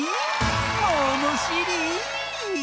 ものしり！